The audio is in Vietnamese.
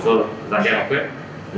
có thể tham gia các bộ nghiệp vụ